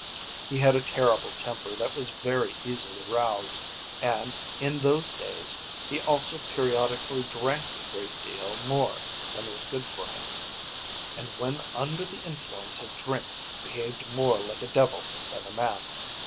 He had a terrible temper that was very easily roused, and, in those days, he also periodically drank a great deal more than was good for him, and when under the influence of drink behaved more like a devil than a man.